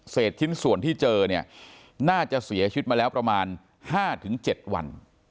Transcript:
ชิ้นส่วนที่เจอเนี่ยน่าจะเสียชีวิตมาแล้วประมาณ๕๗วัน